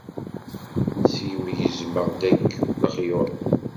Seg-m gezmeɣ-d akk lexyuḍ.